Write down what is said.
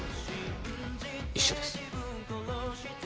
一緒です。